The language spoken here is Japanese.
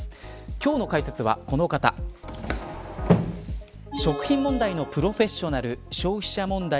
今日の解説はこの方食品問題のプロフェッショナル消費者問題